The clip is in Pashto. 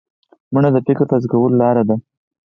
منډه د فکر تازه کولو لاره ده